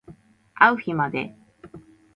あう日まで